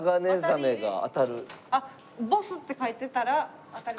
「ボス」って書いてたら当たり？